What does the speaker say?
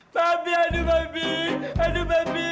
papi aduh papi aduh papi